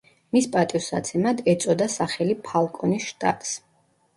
მის პატივსაცემად ეწოდა სახელი ფალკონის შტატს.